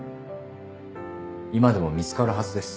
今でも見つかるはずです。